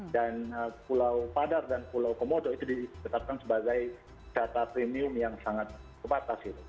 dan pulau padar dan pulau komodo itu disetapkan sebagai data premium yang sangat kebatas